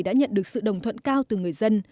đã nhận được sự đồng thuận cao từ người dân